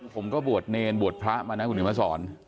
ผมก็บวชเนรบวชพระมานักกุลิมสอน